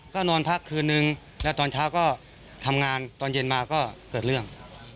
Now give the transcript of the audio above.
ก็นอนพักคืนนึงแล้วตอนเช้าก็ทำงานตอนเย็นมาก็เกิดเรื่อง